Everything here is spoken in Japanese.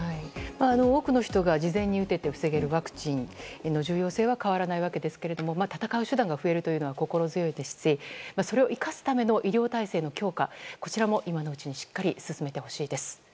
多くの人が事前に打てて防げるワクチンの重要性は変わらないわけですが闘う手段が増えるのは心強いですしそれを生かすための医療体制の強化も今のうちにしっかり進めてほしいです。